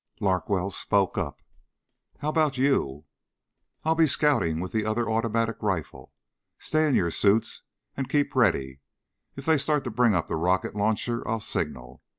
Larkwell spoke up, "How about you?" "I'll be scouting with the other automatic rifle. Stay in your suits and keep ready. If they start to bring up the rocket launcher I'll signal.